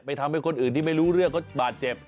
ทำให้คนอื่นที่ไม่รู้เรื่องก็บาดเจ็บ